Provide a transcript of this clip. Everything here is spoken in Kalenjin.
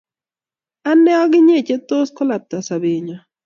Ane ak inye kochetos kalabta sobenyo